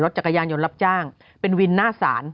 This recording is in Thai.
จักรยานยนต์รับจ้างเป็นวินหน้าศาล